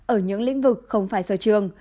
ở những lĩnh vực không phải sở trường